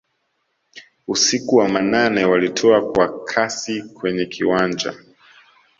usiku wa manane Walitua kwa kasi kwenye kiwanja